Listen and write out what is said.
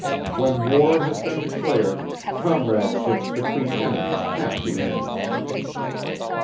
When war has been declared comradeships between enemies have to end."